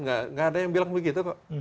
nggak ada yang bilang begitu kok